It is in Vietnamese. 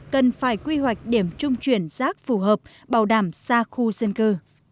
cần phải quy hoạch điểm trung chuyển rác phù hợp bảo đảm xa khu dân cư